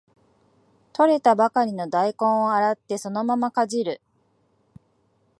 採れたばかりの大根を洗ってそのままかじる